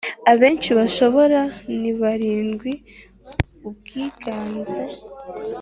abenshi bashoboka ni barindwi Ubwiganze